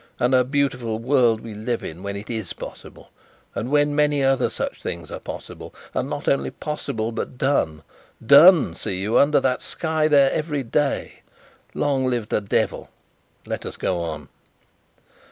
And a beautiful world we live in, when it is possible, and when many other such things are possible, and not only possible, but done done, see you! under that sky there, every day. Long live the Devil. Let us go on."